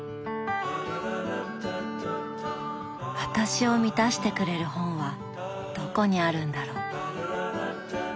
私を満たしてくれる本はどこにあるんだろう。